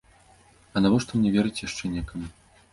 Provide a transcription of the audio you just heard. А навошта мне верыць яшчэ некаму?